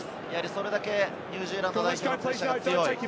それだけニュージーランド代表のプレッシャーが強い。